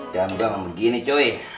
jangan bilang begini cuy